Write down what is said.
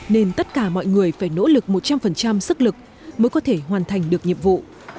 nên tất cả mọi người phải nỗ lực một trăm linh sức lực mới có thể hoàn thành được nhiệm vụ